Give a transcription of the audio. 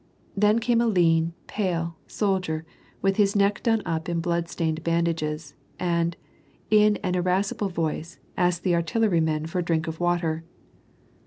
Then came a lean, pale, soldier, with his neck done up in blood stained bandages, and, in an irascible voice, asked the artillery men for a drink of water.